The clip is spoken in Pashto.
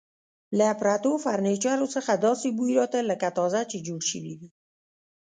له پرتو فرنیچرو څخه داسې بوی راته، لکه تازه چې جوړ شوي وي.